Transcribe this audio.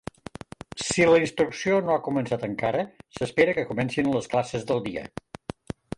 Si la instrucció no ha començat encara, s'espera que comencin les classes del dia.